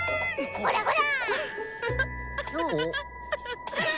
ほらほら！